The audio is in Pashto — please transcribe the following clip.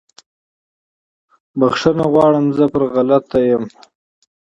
بخښنه غواړم زه پر غلطه یم